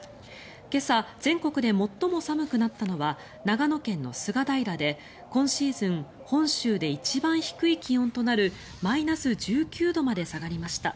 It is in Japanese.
今朝、全国で最も寒くなったのは長野県の菅平で今シーズン本州で一番低い気温となるマイナス１９度まで下がりました。